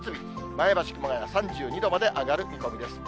前橋、熊谷３２度まで上がる見込みです。